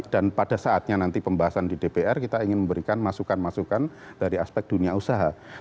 dan pada saatnya nanti pembahasan di dpr kita ingin memberikan masukan masukan dari aspek dunia usaha